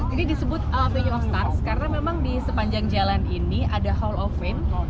ini disebut venue of stars karena memang di sepanjang jalan ini ada hall of fame